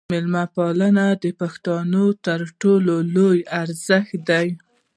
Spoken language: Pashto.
میلمه پالنه د پښتنو تر ټولو لوی ارزښت دی.